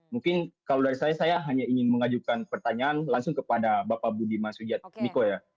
mungkin kalau dari saya saya hanya ingin mengajukan pertanyaan langsung kepada bapak budi mas ujat miko ya